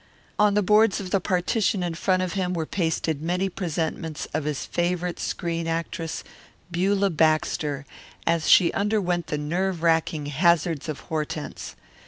On the boards of the partition in front of him were pasted many presentments of his favourite screen actress, Beulah Baxter, as she underwent the nerve racking Hazards of Hortense.